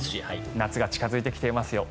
夏が近付いてきていますよ。